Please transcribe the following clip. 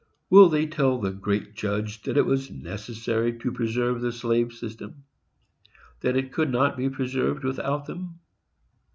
Will they tell the great Judge that it was necessary to preserve the slave system,—that it could not be preserved without them?